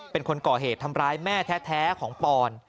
เป็นคนก่อเหตุทำร้ายแม่แท้ของปอน